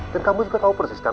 dan kamu juga tahu persis kan